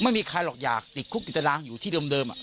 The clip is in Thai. ไม่มีใครหรอกอยากติดคุกติดตารางอยู่ที่เดิม